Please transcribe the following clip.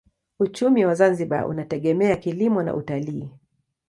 Uchumi wa Zanzibar unategemea kilimo na utalii.